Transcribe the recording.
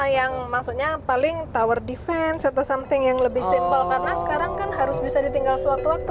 yang maksudnya paling tower defense atau something yang lebih simple karena sekarang kan harus bisa ditinggal sewaktu waktu